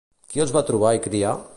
Qui els va trobar i criar?